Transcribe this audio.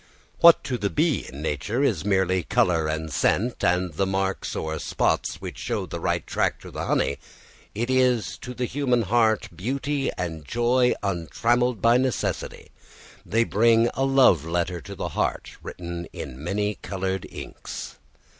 What to the bee in nature is merely colour and scent, and the marks or spots which show the right track to the honey, is to the human heart beauty and joy untrammelled by necessity. They bring a love letter to the heart written in many coloured inks.